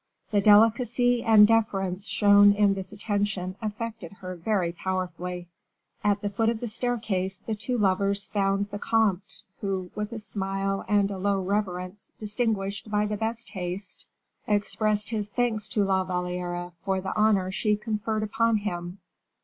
The delicacy and deference shown in this attention affected her very powerfully. At the foot of the staircase the two lovers found the comte, who, with a smile and a low reverence distinguished by the best taste, expressed his thanks to La Valliere for the honor she conferred upon him.